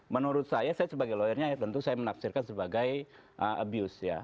menurut saya saya sebagai lawyernya tentu saya menafsirkan sebagai abuse ya